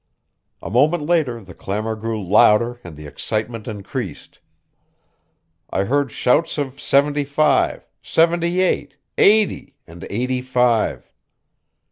A moment later the clamor grew louder and the excitement increased. I heard shouts of seventy five, seventy eight, eighty and eighty five.